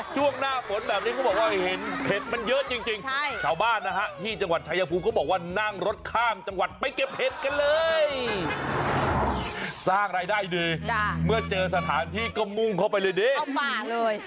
ช่วงหน้าฝนแบบนี้เขาบอกว่าเห็นเห็ดมันเยอะจริงชาวบ้านนะฮะที่จังหวัดชายภูมิเขาบอกว่านั่งรถข้ามจังหวัดไปเก็บเห็ดกันเลยสร้างรายได้ดีเมื่อเจอสถานที่ก็มุ่งเข้าไปเลยดิเข้าป่าเลย